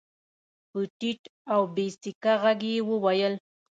په ټيټ او بې سېکه غږ يې وويل.